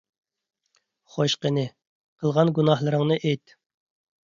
خوش، قېنى، قىلغان گۇناھلىرىڭنى ئېيت!